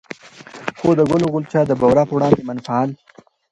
خو د ګلو غونچه د بورا پر وړاندې منفعل